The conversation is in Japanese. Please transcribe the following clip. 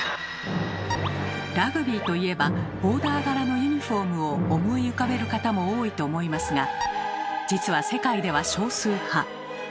ラグビーといえばボーダー柄のユニフォームを思い浮かべる方も多いと思いますが実は世界では少数派。